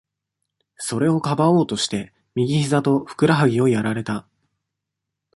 それをかばおうとして、右ひざと、ふくらはぎをやられた。